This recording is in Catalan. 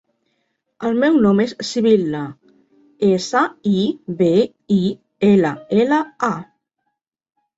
El meu nom és Sibil·la: essa, i, be, i, ela, ela, a.